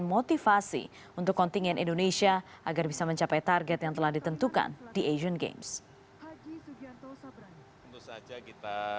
soalnya saya bisa buat sejarah di sini